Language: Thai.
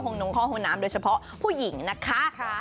นงเข้าห้องน้ำโดยเฉพาะผู้หญิงนะคะ